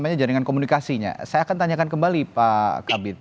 saya akan tanyakan kembali pak kabir saya akan tanyakan kembali pak kabir